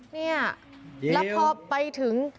เนี่ยแล้วพอไปถึง